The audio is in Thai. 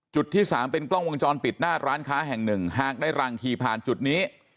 ที่สามเป็นกล้องวงจรปิดหน้าร้านค้าแห่งหนึ่งหากได้รังขี่ผ่านจุดนี้